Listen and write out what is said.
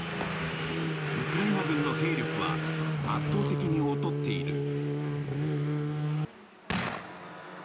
ウクライナ軍の兵力は圧倒的に劣っている。